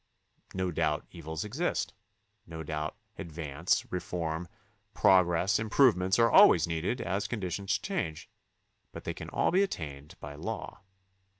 No doubt evils exist; no doubt advance, reform, progress, improvements are always needed as conditions change, but they can all be attained by law.